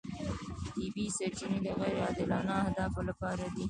طبیعي سرچینې د غیر عادلانه اهدافو لپاره دي.